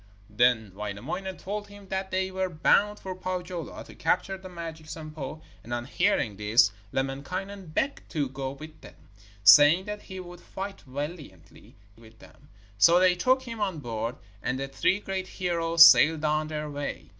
Then Wainamoinen told him that they were bound for Pohjola to capture the magic Sampo, and, on hearing this, Lemminkainen begged to go with them, saying that he would fight valiantly with them. So they took him on board, and the three great heroes sailed on their way.